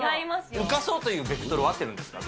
浮かそうというベクトルはあってるんですか？